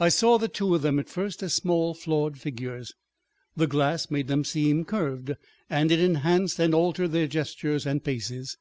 I saw the two of them at first as small, flawed figures. The glass made them seem curved, and it enhanced and altered their gestures and paces.